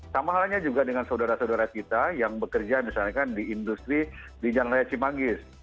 sama halnya juga dengan saudara saudara kita yang bekerja misalnya kan di industri di jalan raya cimanggis